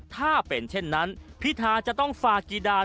ถ้าเป็นเช่นนั้นพิธาจะต้องฝากกี่ด่าน